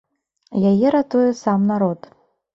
Яе ратуе сам народ.